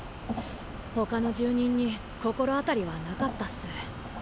ほかの住人に心当たりはなかったっす。